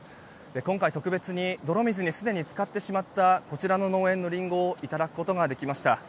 今回、特別に泥水にすでに浸かってしまったこちらの農園のリンゴをいただくことができました。